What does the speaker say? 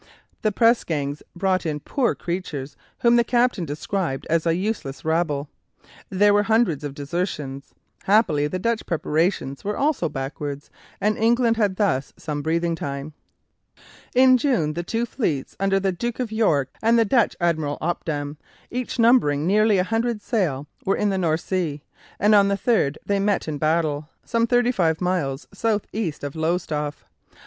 The pressgangs brought in poor creatures whom the captains described as a useless rabble. There were hundreds of desertions. Happily the Dutch preparations were also backward, and England had thus some breathing time. In June the two fleets, under the Duke of York and the Dutch Admiral Opdam, each numbering nearly a hundred sail, were in the North Sea, and on the 3rd they met in battle, some thirty five miles south east of Lowestoft.